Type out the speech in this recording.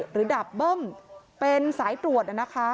หรือดาบเบิ้มเป็นสายตรวจนะคะ